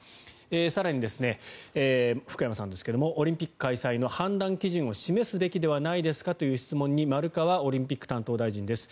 更に、福山さんですがオリンピック開催の判断基準を示すべきではないですかという質問に丸川オリンピック担当大臣です。